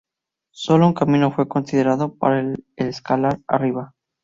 Solo un camino fue considerado para el escalar arriba.